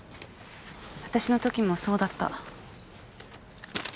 私のときもそうだった。